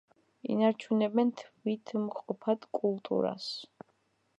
ინარჩუნებენ თვითმყოფად კულტურას.